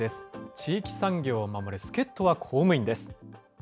地域産業を守れ、助っとは公務員！です。